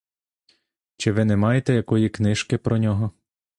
Чи ви не маєте якої книжки про нього?